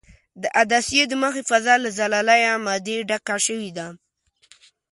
د عدسیې د مخې فضا له زلالیه مادې ډکه شوې ده.